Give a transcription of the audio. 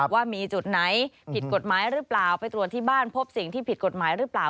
ว่ามีจุดไหนผิดกฎหมายหรือเปล่าไปตรวจที่บ้านพบสิ่งที่ผิดกฎหมายหรือเปล่า